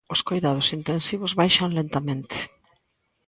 Os coidados intensivos baixan lentamente.